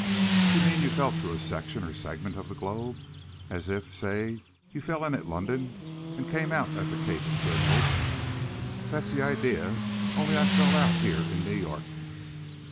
"You mean, you fell through a section or segment of the globe? As if, say, you fell in at London and came out at the Cape of Good Hope!" "That's the idea! Only I fell out here in New York."